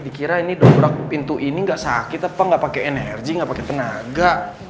dikira ini dobrak pintu ini gak sakit apa gak pake energi gak pake tenaga